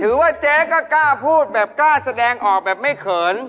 ว่าเจ๊ก็กล้าพูดแบบกล้าแสดงออกแบบไม่เขิน